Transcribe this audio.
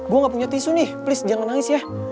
gue gak punya tisu nih please jangan nangis ya